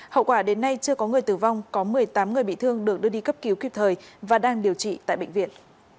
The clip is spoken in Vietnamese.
hậu quả đến nay chưa có người tử vong có một mươi tám người bị thương được đưa đi cấp cứu kịp thời và đang điều trị tại bệnh viện